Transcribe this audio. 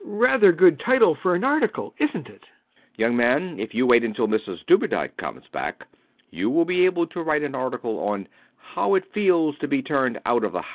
Rather a good title for an article, isnt it? B. B. Young man: if you wait until Mrs Dubedat comes back, you will be able to write an article on How It Feels to be Turned Out of the House.